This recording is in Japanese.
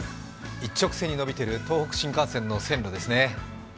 一直線に伸びている東北新幹線の線路ですね。